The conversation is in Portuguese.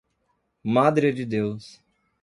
Madre de Deus